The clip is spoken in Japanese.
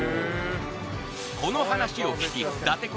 この話を聞きだて